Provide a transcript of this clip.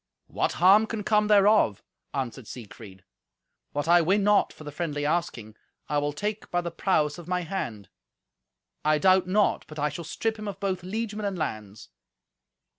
"What harm can come thereof?" answered Siegfried. "What I win not for the friendly asking, I will take by the prowess of my hand. I doubt not but I shall strip him of both liegemen and lands."